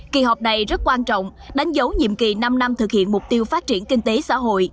kỳ họp này rất quan trọng đánh dấu nhiệm kỳ năm năm thực hiện mục tiêu phát triển kinh tế xã hội